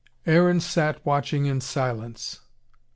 Aaron sat watching in silence.